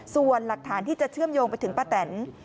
ส่วนหลักฐานที่จะเชื่อมโยงไปถึงป้าแตน